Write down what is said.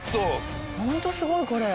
ホントすごいこれ。